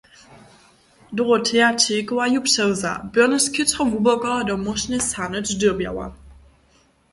Doroteja Čejkowa ju přewza, byrnjež chětro hłuboko do móšnje sahnyć dyrbjała.